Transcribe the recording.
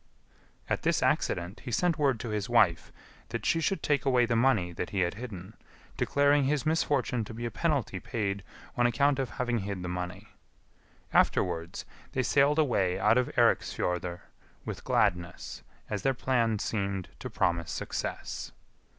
At this accident he sent word to his wife that she should take away the money that he had hidden, declaring his misfortune to be a penalty paid on account of having hid the money. Afterwards they sailed away out of Eiriksfjordr with gladness, as their plan seemed to promise success.